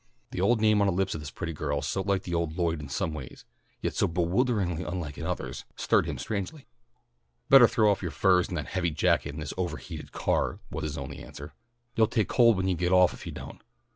The old name on the lips of this pretty girl so like the old Lloyd in some ways, yet so bewilderingly unlike in others, stirred him strangely. "Better throw off your furs and that heavy jacket in this over heated car," was his only answer. "You'll take cold when you get off if you don't."